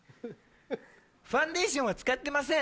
ファンデーションは使ってません。